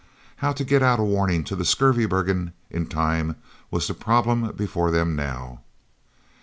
How to get out a warning to the Skurvebergen in time was the problem before them now.